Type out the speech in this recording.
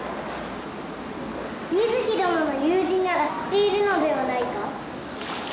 美月どのの友人なら知っているのではないか？